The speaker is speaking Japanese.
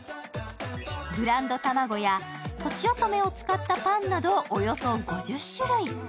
ブランド卵やとちおとめを使ったパンなどおよそ５０種類。